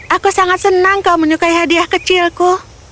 aku sangat senang kau menyukai hadiah kecilku